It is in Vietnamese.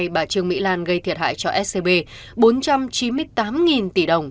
bà trương mỹ lan gây thiệt hại cho scb bốn trăm chín mươi tám tỷ đồng